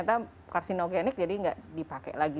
itu karsinogenik jadi gak dipakai lagi